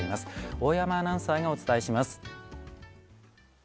大山アナウンサーがお伝えします。